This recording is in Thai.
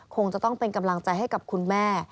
คงจะต้องเป็นกำลังใจให้กับคุณแม่